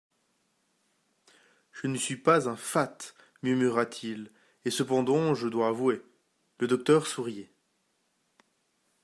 Je ne suis pas un fat, murmura-t-il, et cependant je dois avouer … Le docteur souriait.